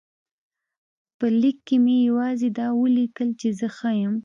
په لیک کې مې یوازې دا ولیکل چې زه ښه یم.